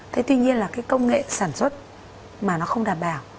thế tuy nhiên là cái công nghệ sản xuất mà nó không đảm bảo